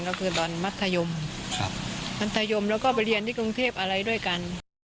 ก็คือตอนมัธยมมัธยมแล้วก็ไปเรียนที่กรุงเทพอะไรด้วยกัน